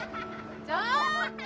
ちょっと！